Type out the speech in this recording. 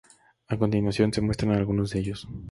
A continuación se muestran algunos de ellos.